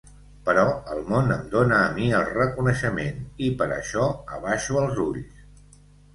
Però el món em dona a mi el reconeixement, i per això abaixo els ulls.